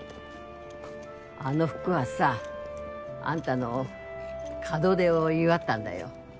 あの服はさあんたの門出を祝ったんだよ